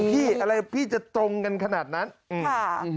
พี่อะไรพี่จะตรงกันขนาดนั้นอืม